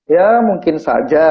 ya mungkin saja